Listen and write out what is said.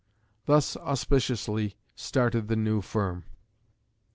Thus auspiciously started the new firm.